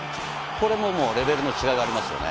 これもレベルの違いがありますよね。